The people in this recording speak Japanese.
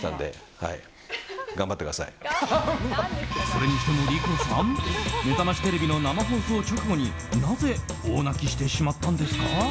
それにしても、莉子さん「めざましテレビ」の生放送直後になぜ大泣きしてしまったんですか。